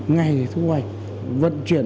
ngày thu hoạch vận chuyển